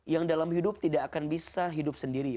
yang dalam hidup tidak akan bisa hidup sendiri